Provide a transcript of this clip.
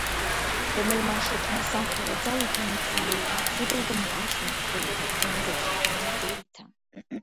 რომელმან შექმნა სამყარო ძალითა მითძლიერითა, ზეგარდმოთ არსნი სულითა ყვნა ზეცითმონაბერითა